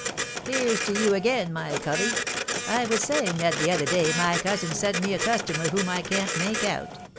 "Here's to you again, my covey! I was saying that the other day my cousin sent me a customer whom I can't make out.